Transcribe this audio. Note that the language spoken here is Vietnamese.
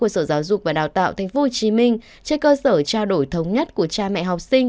sở giáo dục và đào tạo tp hcm trên cơ sở trao đổi thống nhất của cha mẹ học sinh